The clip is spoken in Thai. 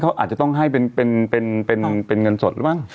เขาอาจจะต้องให้เป็นเงินสดหรือมั้ง